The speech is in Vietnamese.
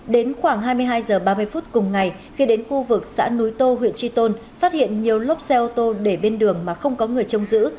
đến khoảng hai mươi hai h ba mươi phút cùng ngày khi đến khu vực xã núi tô huyện tri tôn phát hiện nhiều lốp xe ô tô để bên đường mà không có người trông giữ